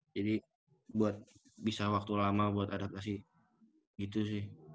jadi buat bisa waktu lama buat adaptasi gitu sih